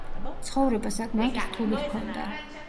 ცხოვრება საკმაოდ რთული ჰქონდა.